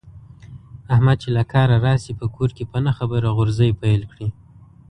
احمد چې له کاره راشي، په کور کې په نه خبره غورزی پیل کړي.